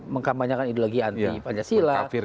mengkampanyakan ideologi anti pancasila